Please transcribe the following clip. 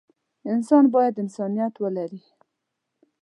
انسان بايد انسانيت ولري.